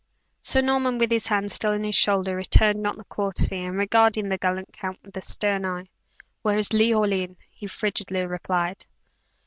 Sir Norman, with his hand still on his shoulder, returned not the courtesy, and regarding the gallant count with a stern eye. "Where is Leoline?" he frigidly repeated.